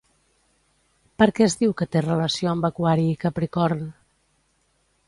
Per què es diu que té relació amb Aquari i Capricorn?